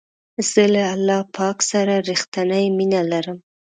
زه له الله پاک سره رښتنی مینه لرم.